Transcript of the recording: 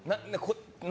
何？